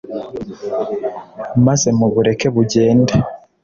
maze mubureke bugende